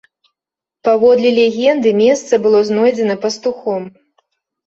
Паводле легенды, месца было знойдзена пастухом.